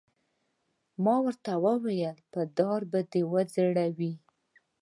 ما ورته وویل: په دار به دې وځړوي.